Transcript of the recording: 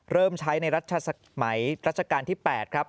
เริ่มใช้ในรัชสมัยรัชกาลที่๘ครับ